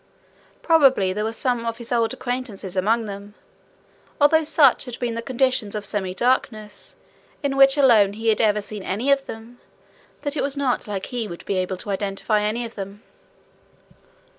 Probably there were some of his old acquaintances among them, although such had been the conditions of semi darkness, in which alone he had ever seen any of them, that it was not like he would be able to identify any of them.